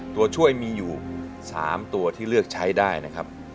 ตัวช่วยมีอยู่๓ตัวที่เลือกใช้ได้นะครับ